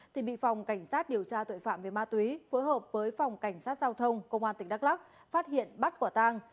thì bị phòng cảnh sát điều tra tội phạm về ma túy phối hợp với phòng cảnh sát giao thông công an tỉnh đắk lắc phát hiện bắt quả tang